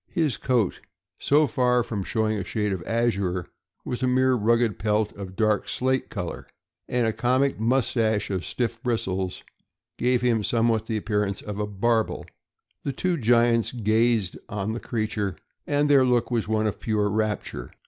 His coat, so far from showing a shade of azure, was a mere rugged pelt of dark slate color, and a comic mustache of stiff bristles gave him somewhat of the appearance of a barbel. The two giants gazed on the creature, and their look was one of pure rapture.